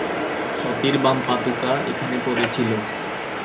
সতীর বাম পাদুকা এখানে পড়েছিল।